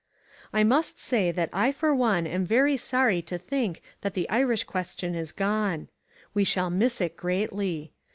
I must say that I for one am very sorry to think that the Irish question is gone. We shall miss it greatly.